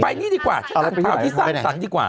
นี่ดีกว่าฉันอ่านข่าวที่สร้างสรรค์ดีกว่า